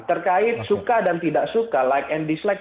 terkait suka dan tidak suka like and dislike